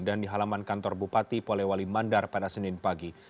dan di halaman kantor bupati polewali mandar pada senin pagi